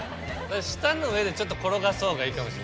舌の上でちょっと転がすほうがいいかもしんない。